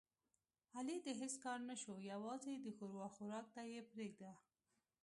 علي د هېڅ کار نشو یووازې د ښوروا خوراک ته یې پرېږده.